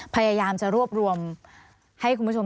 พยายามจะรวบรวมให้คุณผู้ชม